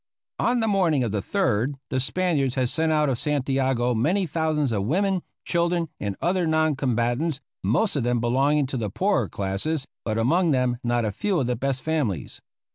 On the morning of the 3rd the Spaniards had sent out of Santiago many thousands of women, children, and other non combatants, most of them belonging to the poorer classes, but among them not a few of the best families.